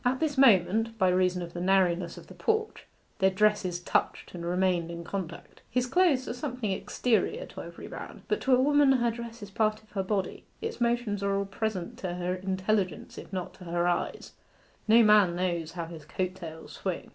At this moment, by reason of the narrowness of the porch, their dresses touched, and remained in contact. His clothes are something exterior to every man; but to a woman her dress is part of her body. Its motions are all present to her intelligence if not to her eyes; no man knows how his coat tails swing.